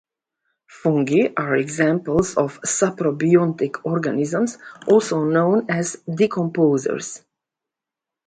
Fungi are examples of saprobiontic organisms also known as decomposers.